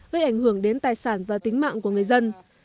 gây ảnh hưởng đến tài sản và tính mạng của người dân